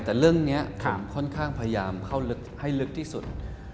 แต่เรื่องนี้ผมค่อนข้างพยายามเข้าลึกให้ลึกที่สุด